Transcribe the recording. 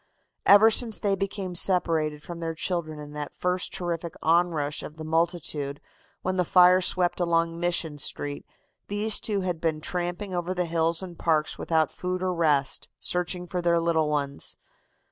"Ever since they became separated from their children in that first terrific onrush of the multitude when the fire swept along Mission Street these two had been tramping over the hills and parks without food or rest, searching for their little ones.